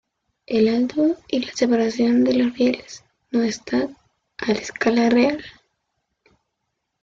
El alto y la separación de los rieles no están a escala real.